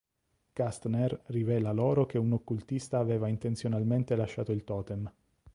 Kastner rivela loro che un occultista aveva intenzionalmente lasciato il totem.